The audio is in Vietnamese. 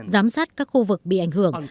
giám sát các khu vực bị ảnh hưởng